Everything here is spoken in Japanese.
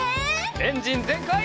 エンジンぜんかい！